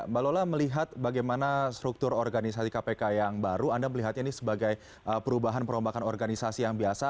mbak lola melihat bagaimana struktur organisasi kpk yang baru anda melihatnya ini sebagai perubahan perombakan organisasi yang biasa